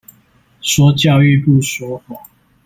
說教育部說謊